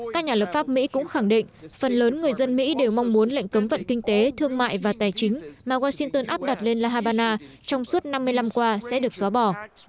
các nhà lập pháp mỹ cũng khẳng định phần lớn người dân mỹ đều mong muốn lệnh cấm vận kinh tế thương mại và tài chính mà washington áp đặt lên la habana trong suốt năm mươi năm qua sẽ được xóa bỏ